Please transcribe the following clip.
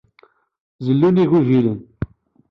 Zellun igujilen.